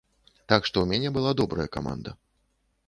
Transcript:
Так што ў мяне была добрая каманда.